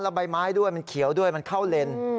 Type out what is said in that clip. แล้วใบไม้ด้วยมันเขียวด้วยมันเข้าเลน